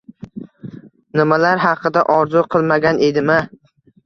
Nimalar haqida orzu qilmagan edima